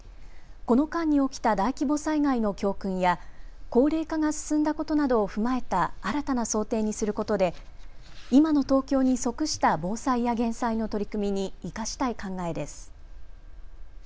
この間に起きた大規模災害の教訓や高齢化が進んだことなどを踏まえた新たな想定にすることで今の東京に即した防災や減災の取り組みに生かしたい考えです。